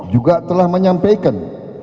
juga telah menyampaikan